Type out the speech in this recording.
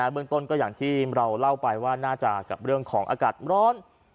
เบื้องต้นก็อย่างที่เราเล่าไปว่าน่าจะกับเรื่องของอากาศร้อน